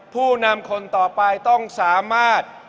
ผู้นำคนต่อไปต้องสามารถ